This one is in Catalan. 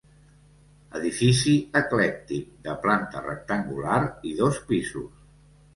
Edifici eclèctic, de planta rectangular i dos pisos.